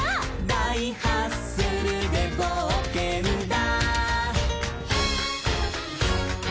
「だいハッスルでぼうけんだ」